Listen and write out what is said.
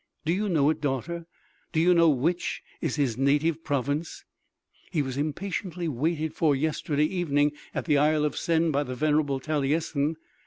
Do you know it, daughter? Do you know which is his native province?" "He was impatiently waited for yesterday evening at the Isle of Sen by the venerable Talyessin.